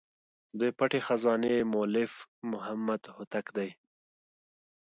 د پټي خزانې مؤلف محمد هوتک دﺉ.